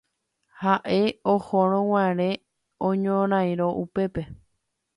ha'e ohorõguare oñorairõ upépe